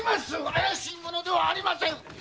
怪しい者ではありません！